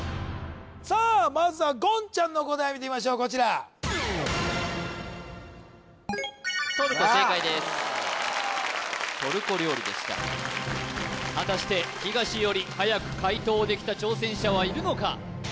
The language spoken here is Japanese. さあまずは言ちゃんの答えを見てみましょうこちらトルコ料理でした果たして東よりはやく解答できた挑戦者はいるのか？